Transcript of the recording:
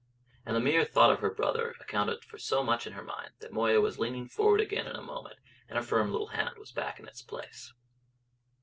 And the mere thought of her brother accounted for so much in her mind, that Moya was leaning forward again in a moment, and her firm little hand was back in its place.